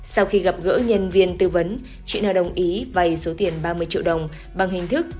sau khi gặp gỡ nhân viên tư vấn chị nờ đồng ý vay số tiền ba mươi triệu đồng bằng hình thức